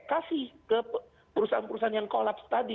kasih ke perusahaan perusahaan yang kolaps tadi